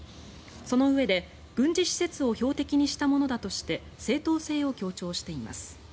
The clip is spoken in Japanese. そのうえで軍事施設を標的にしたものだとして正当性を強調しています。